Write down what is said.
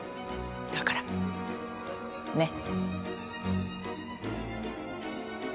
だからねっ。